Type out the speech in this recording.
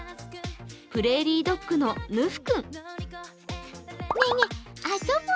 プレーリードッグのぬふ君。